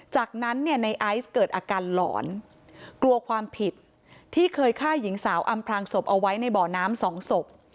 จากนั้นเนี่ยในไอซ์เกิดอาการหลอนกลัวความผิดที่เคยฆ่าหญิงสาวอำพลางศพเอาไว้ในบ่อน้ำสองศพ